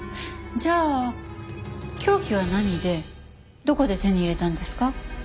じゃあ凶器は何でどこで手に入れたんですか？